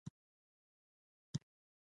د ټکنالوجۍ پرمختګ بېپای دی.